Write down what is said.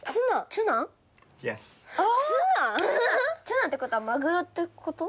ツナってことはマグロってこと？